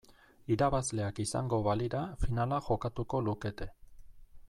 Irabazleak izango balira finala jokatuko lukete.